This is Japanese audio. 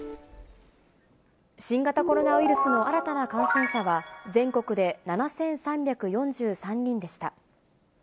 新型コロナウイルスの新たな感染者は、全国で７３４３人でした。